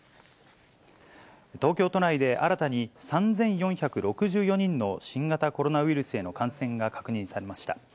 東京都内で新たに３４６４人の新型コロナウイルスへの感染が確認されました。